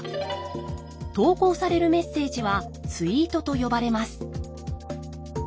投稿されるメッセージはツイートと呼ばれます。